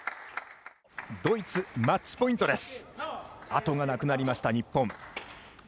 あとがなくなりました、日本。